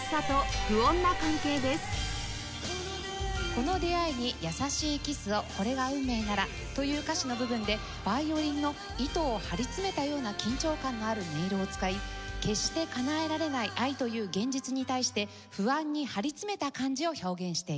「この出会いにやさしいキスをこれが運命なら」という歌詞の部分でヴァイオリンの糸を張り詰めたような緊張感のある音色を使い決してかなえられない愛という現実に対して不安に張り詰めた感じを表現している事。